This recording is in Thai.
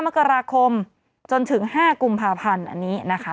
มกราคมจนถึง๕กุมภาพันธ์อันนี้นะคะ